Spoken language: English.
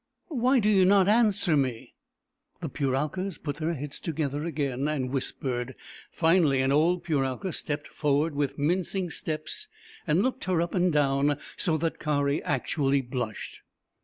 " WTiy do you not answer me ?" The Puralkas put their heads together again, and whispered. Finally an old Puralka stepped forward with mincing steps and looked her up and down, so that Kari actually blushed.